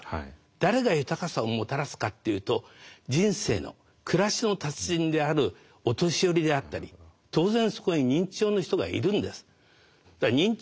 誰が豊かさをもたらすかっていうと人生の暮らしの達人であるお年寄りであったり当然そこに認知症の人がいるんです。